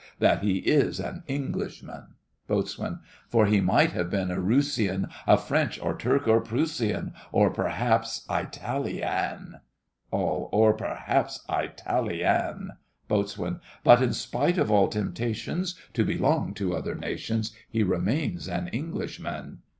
That he is an Englishman! BOAT. For he might have been a Roosian, A French, or Turk, or Proosian, Or perhaps Itali an! ALL. Or perhaps Itali an! BOAT. But in spite of all temptations To belong to other nations, He remains an Englishman!